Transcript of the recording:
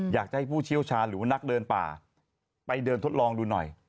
อยากจะให้ผู้เชี่ยวชาญหรือว่านักเดินป่าไปเดินทดลองดูหน่อย